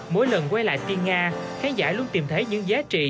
mỗi lần quay lại tiên nga khán giả luôn tìm thấy những giá trị